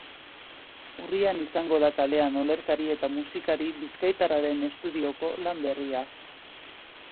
Urrian izango da kalean olerkari eta musikari bizkaitarraren estudioko lan berria.